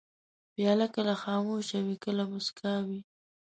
پیاله کله خاموشه وي، کله موسک وي.